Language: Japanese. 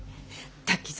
滝沢。